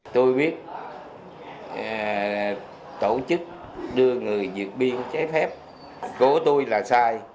tôi biết tổ chức đưa người diệt biên trái phép cố tôi là sai